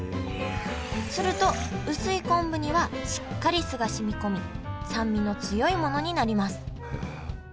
すると薄い昆布にはしっかり酢が染み込み酸味の強いものになります。